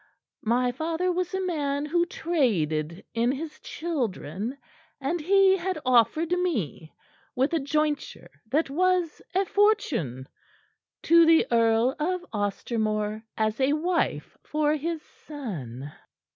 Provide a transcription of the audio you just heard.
My father was a man who traded in his children, and he had offered me, with a jointure that was a fortune, to the Earl of Ostermore as a wife for his son."